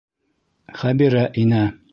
Хәбирә инә.